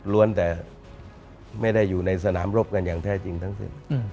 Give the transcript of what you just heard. แต่ไม่ได้อยู่ในสนามรบกันอย่างแท้จริงทั้งสิ้น